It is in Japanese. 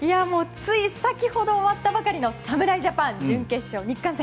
つい先ほど終わったばかりの侍ジャパン準決勝、日韓戦